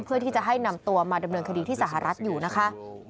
เพื่อที่จะให้นำตัวมาดำเนินคดีที่สหรัฐอยู่นะคะ